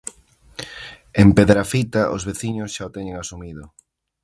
En Pedrafita os veciños xa o teñen asumido.